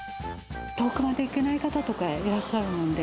遠くまで行けない方とかいらっしゃるもんで。